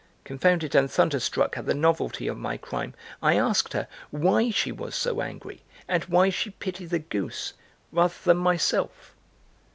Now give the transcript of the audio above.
Confounded and thunderstruck at the novelty of my crime, I asked her why she was so angry and why she pitied the goose rather than myself.